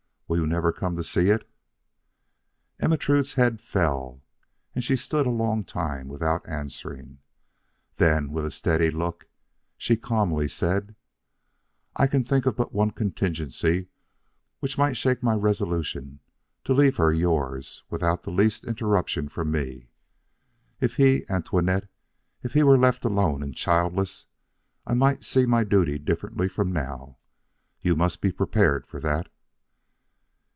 Will you never come to see it?" Ermentrude's head fell and she stood a long time without answering. Then with a steady look she calmly said: "I can think of but one contingency which might shake my resolution to leave her yours without the least interruption from me. If he Antoinette, if he were left alone and childless, I might see my duty differently from now. You must be prepared for that."